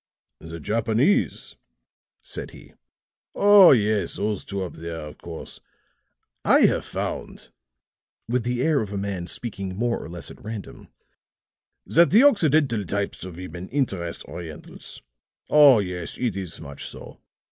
"The Japanese?" said he. "Oh, yes, those two up there, of course. I have found," with the air of a man speaking more or less at random, "that the Occidental types of women interest Orientals. Oh, yes; it is much so.